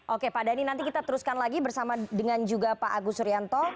oke pak dhani nanti kita teruskan lagi bersama dengan juga pak agus suryanto